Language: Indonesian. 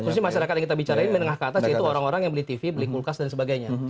kursi masyarakat yang kita bicarain menengah ke atas yaitu orang orang yang beli tv beli kulkas dan sebagainya